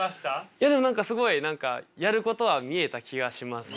いやでも何かすごい何かやることは見えた気がします。